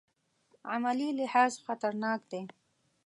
عملي لحاظ خطرناک دی.